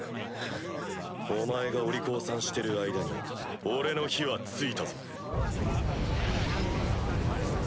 お前がお利口さんしてる間に俺の火はついたぞ。